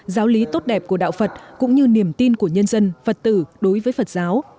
giáo lý tốt đẹp của đạo phật cũng như niềm tin của nhân dân phật tử đối với phật giáo